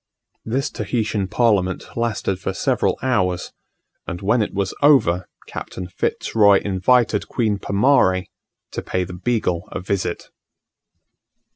This Tahitian parliament lasted for several hours; and when it was over Captain Fitz Roy invited Queen Pomarre to pay the Beagle a visit.